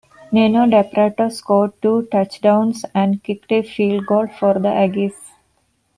Neno DaPrato scored two touchdowns and kicked a field goal for the Aggies.